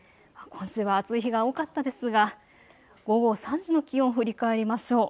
今週は暑い日が多かったですが午後３時の気温、振り返りましょう。